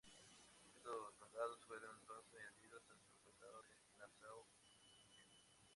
Estos condados fueron entonces añadidos a su condado de Nassau-Usingen.